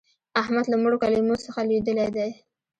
احمد له مړو کلمو څخه لوېدلی دی.